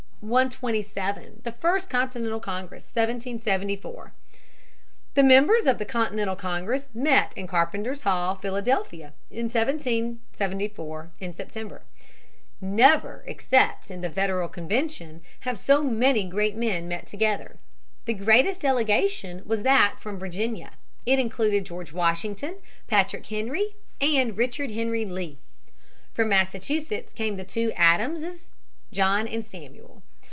[Sidenote: The First Continental Congress, 1774.] 127. The First Continental Congress, 1774. The members of the Continental Congress met in Carpenter's Hall, Philadelphia, in September, 1774. Never, except in the Federal Convention (p. 137), have so many great men met together. The greatest delegation was that from Virginia. It included George Washington, Patrick Henry, and Richard Henry Lee. From Massachusetts came the two Adamses, John and Samuel.